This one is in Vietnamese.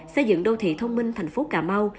xây dựng đô thị thông minh thành phố cà mau